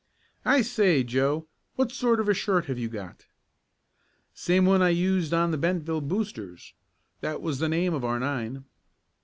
"I say, Joe, what sort of a shirt have you got?" "Same one I used on the Bentville Boosters; that was the name of our nine."